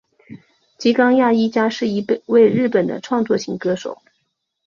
吉冈亚衣加是一位日本的创作型歌手。